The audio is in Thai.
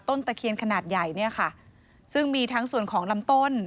ตะเคียนขนาดใหญ่เนี่ยค่ะซึ่งมีทั้งส่วนของลำต้น